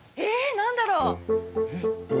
何だろう？